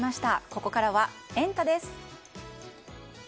ここからはエンタ！です。